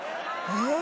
えっ！